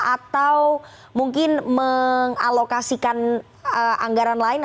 atau mungkin mengalokasikan anggaran lain